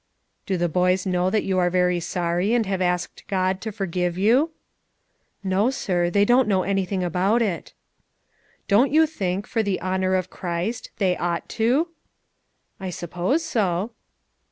"Do the boys know that you are very sorry, and have asked God to forgive you?" "No, sir; they don't know anything about it." "Don't you think, for the honour of Christ, they ought to?" "I suppose so."